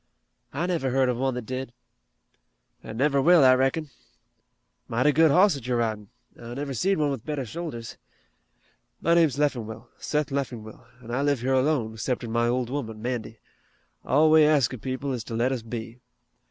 "I never heard of one that did." "An' never will, I reckon. Mighty good hoss that you're ridin'. I never seed one with better shoulders. My name's Leffingwell, Seth Leffingwell, an' I live here alone, 'ceptin' my old woman, Mandy. All we ask of people is to let us be.